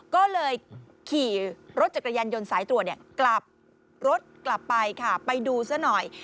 ก็เลยขี่รถจักรยานยนต์สายตรวจกลับรถกลับไปค่ะไปดูซะหน่อย